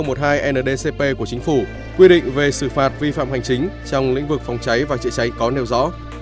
nghị định số năm mươi hai hai nghìn một mươi hai ndcp của chính phủ quy định về xử phạt vi phạm hành chính trong lĩnh vực phòng cháy và chữa cháy có nêu rõ